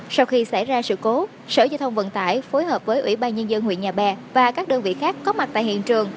sau khi xảy ra sự cố sở giao thông vận tải phối hợp với ủy ban nhân dân huyện nhà bè và các đơn vị khác có mặt tại hiện trường